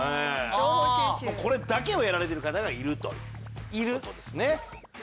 これだけをやられてる方がいるという事ですね。